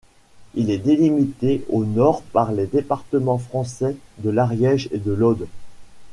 Il est délimité au nord par les départements français de l'Ariège et de l'Aude.